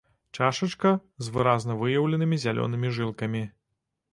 Чашачка з выразна выяўленымі зялёнымі жылкамі.